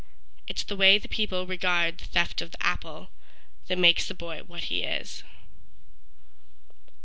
It's the way the people regard the theft of the apple That makes the boy what he is.